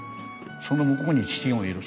その向こうに父がいる。